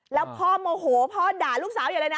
แล้วพ่อโมโหพ่อด่าลูกสาวอย่าเลยนะ